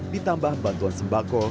ditambah bantuan sembako